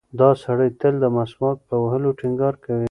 دا سړی تل د مسواک په وهلو ټینګار کوي.